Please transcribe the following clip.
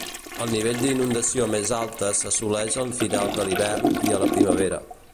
El nivell d'inundació més alta s'assoleix al final de l'hivern i a la primavera.